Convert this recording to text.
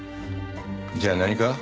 じゃあ何か？